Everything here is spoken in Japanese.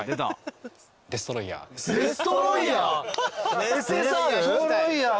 デストロイヤー